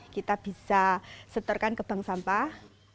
kita bisa setorkan ke bank sampah